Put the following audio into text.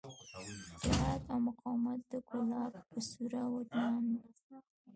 جهاد او مقاومت د کولاب په سوړه ومانډه.